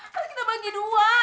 mas kita bagi dua